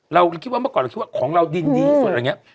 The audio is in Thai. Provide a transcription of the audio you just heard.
เราคิดว่าเมื่อก่อนเราคิดว่าของเราดินดีที่สุดอะไรอย่างนี้